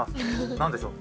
何でしょう？